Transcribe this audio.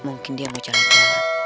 mungkin dia mau jalan ke rumah